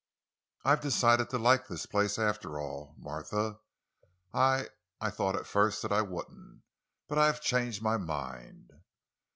"I've decided to like this place—after all, Martha. I—I thought at first that I wouldn't, but I have changed my mind."